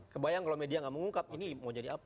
kebayang kalau media nggak mengungkap ini mau jadi apa